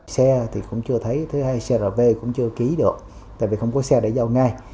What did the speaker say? xe thì cũng chưa thấy thứ hai crb cũng chưa ký được tại vì không có xe để giao ngay